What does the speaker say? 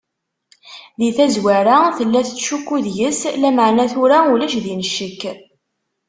Di tazwara, tella tettcukku deg-s, lameɛna tura ulac din ccek.